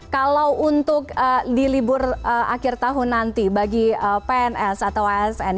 kalau untuk di libur akhir tahun nanti bagi pns atau asn